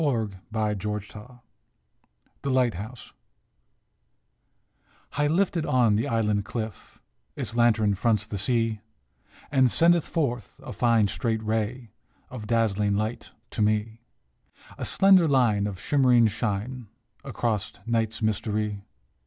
THE LIGHTHOUSE 113 THE LIGHTHOUSE HIGH lifted on the island cliff Its lantern fronts the sea, And sendeth forth a fine, straight ray Of dazzling light to me A slender line of shimmering shine Across night's mystery.